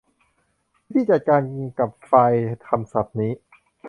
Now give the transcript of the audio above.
วิธีการจัดการกับไฟล์คำศัพท์นี้